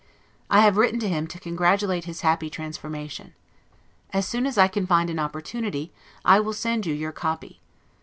I have written to him, to congratulate his happy transformation. As soon as I can find an opportunity, I will send you your copy.